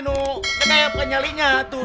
nih penyelinya tuh